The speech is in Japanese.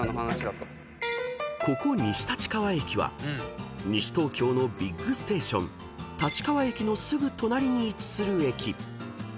［ここ西立川駅は西東京のビッグステーション立川駅のすぐ隣に位置する駅］